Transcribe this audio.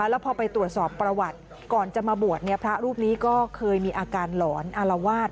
แล้วพอไปตรวจสอบประวัติก่อนจะมาบวชพระรูปนี้ก็เคยมีอาการหลอนอารวาส